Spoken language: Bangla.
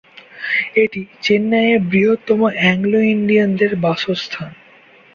এটি চেন্নাইয়ের বৃহত্তম অ্যাংলো ইন্ডিয়ানদের বাসস্থান।